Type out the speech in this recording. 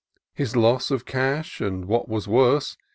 His loss of cash, and what was worse.